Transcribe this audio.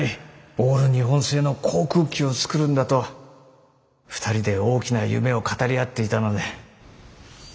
オール日本製の航空機を作るんだと２人で大きな夢を語り合っていたので。